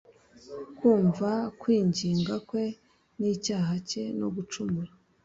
Kumva kwinginga kwe n icyaha cye no gucumura